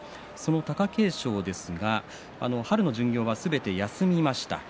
貴景勝ですが春の巡業はすべて休みました。